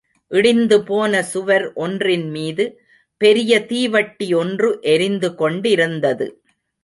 இடிந்துபோன சுவர் ஒன்றின்மீது பெரிய தீவட்டி ஒன்று எரிந்து கொண்டிருந்தது.